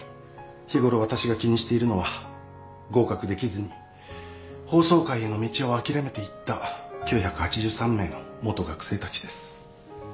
日ごろ私が気にしているのは合格できずに法曹界への道を諦めていった９８３名の元学生たちです。